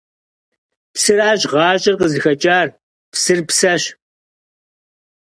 Псыращ ГъащӀэр къызыхэкӀар. Псыр – псэщ!